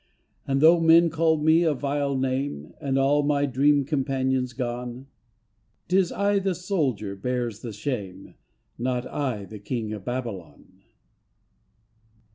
And though men called me a vile name. And all my dream companions gone, Tis I the soldier bears the shame, Not I the king of Babylon.